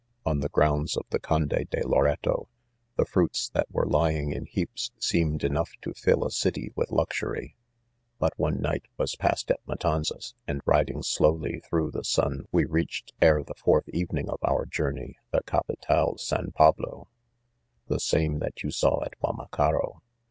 ■''On the grounds of the " Conde de } Loreto" the fruits that were lying in heaps, seemed enough to fill a city with luxury. 'But one night was passed at Matanzas, and riding slowly through the sun we reached ere the fourth evening of our journey the " Oaf Hal San Pablo" the same that you saw at Guama caro.